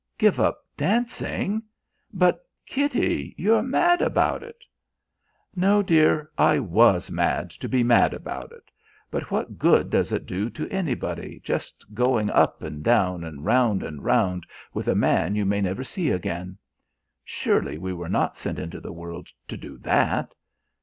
"Give up dancing but, Kitty, you're mad about it!" "No, dear, I was mad to be mad about it: but what good does it do to anybody, just going up and down and round and round with a man you may never see again. Surely we were not sent into the world to do that!